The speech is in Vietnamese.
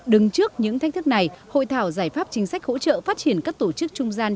đứng trước những thách thức này hội thảo giải pháp chính sách hỗ trợ phát triển các tổ chức trung gian